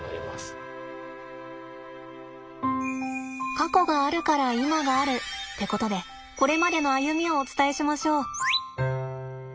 過去があるから今があるってことでこれまでの歩みをお伝えしましょう。